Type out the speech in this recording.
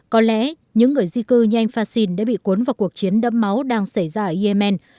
có lẽ những người di cư như anh fassin đã bị cuốn vào cuộc chiến đẫm máu đang xảy ra ở yemen